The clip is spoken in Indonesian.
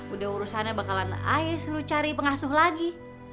udah urusannya bakalan ayah suruh cari pengasuh lagi